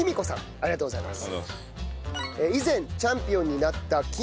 ありがとうございます。